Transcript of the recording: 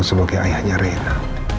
sebagai ayahnya rena